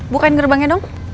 bukain gerbangnya dong